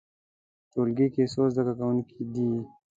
ټولګی کې څو زده کوونکي دي؟